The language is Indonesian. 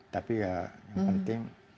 tapi ya yang penting